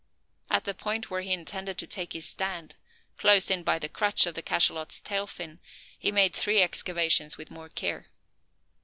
At the point where he intended to take his stand, close in by the "crutch" of the cachalot's tail fin, he made three excavations with more care.